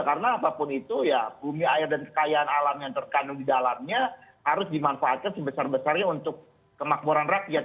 karena apapun itu ya bumi air dan kayaan alam yang terkandung di dalamnya harus dimanfaatkan sebesar besarnya untuk kemakmuran rakyat